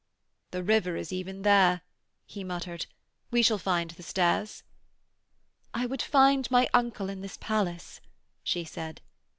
'The river is even there,' he muttered. 'We shall find the stairs.' 'I would find my uncle in this palace,' she said.